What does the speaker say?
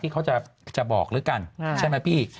ที่เขาจะบอกด้วยกันใช่ไหมพี่